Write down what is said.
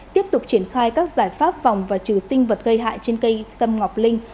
tiếp tục triển khai các giải pháp phòng và trừ sinh vật gây hại trên cây sâm ngọc linh